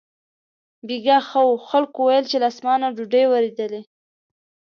بېګاه ښه و، خلکو ویل چې له اسمانه ډوډۍ ورېدلې.